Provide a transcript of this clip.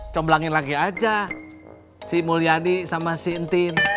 comblangin lagi aja si mulyani sama si entin